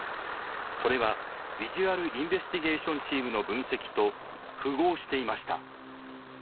それはビジュアル・インベスティゲーションチームの分析と符合していました。